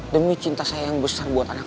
demi cinta saya yang besar buat anak